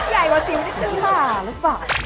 ใหญ่กว่าสิวที่คือ